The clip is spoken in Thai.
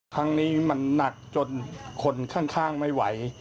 ครั้งนี้มันหนักจนคนข้างไม่ไหว